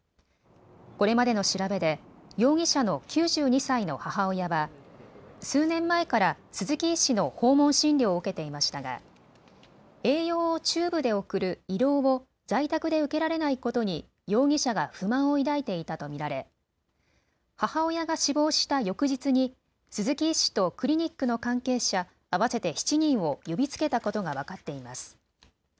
これまでの調べで容疑者の９２歳の母親は数年前から鈴木医師の訪問診療を受けていましたが栄養をチューブで送る胃ろうを在宅で受けられないことに容疑者が不満を抱いていたと見られ、母親が死亡した翌日に鈴木医師とクリニックの関係者合わせて７人を呼びつけたことが分かっています。